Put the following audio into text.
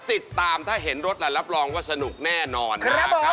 ติดตามถ้าเห็นรถล่ะรับรองว่าสนุกแน่นอนนะครับ